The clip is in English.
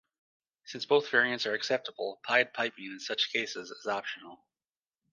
Since both variants are acceptable, pied-piping in such cases is optional.